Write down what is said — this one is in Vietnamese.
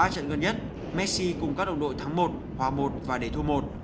ba trận gần nhất messi cùng các đồng đội thắng một hòa một và để thua một